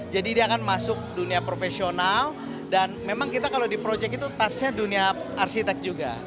jadi dia akan masuk dunia profesional dan memang kita kalau di proyek itu tasnya dunia arsitek juga